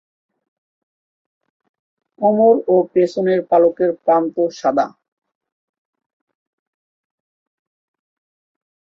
কোমর ও পেছনের পালকের প্রান্ত সাদা।